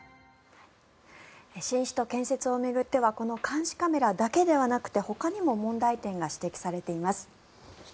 新首都建設を巡ってはこの監視カメラだけではなくてほかにも問題点が指摘されています。